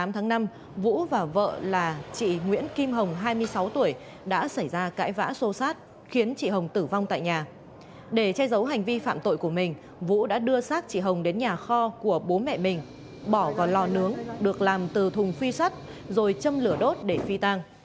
theo dấu hành vi phạm tội của mình vũ đã đưa xác chị hồng đến nhà kho của bố mẹ mình bỏ vào lò nướng được làm từ thùng phi sắt rồi châm lửa đốt để phi tăng